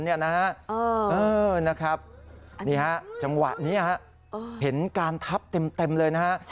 นี่ฮะจังหวะนี้เห็นการทับเต็มเลยนะฮะ